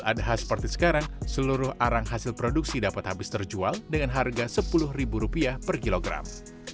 jelang idul adha seperti sekarang seluruh arang hasil produksi dapat habis terjual dengan harga rp sepuluh per kilogram